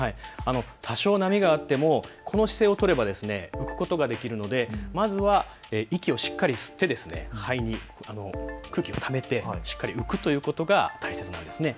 多少、波があってもこの姿勢を取れば浮くことができるのでまずは息をしっかり吸って肺に空気をためてしっかり浮くということが大切なんです。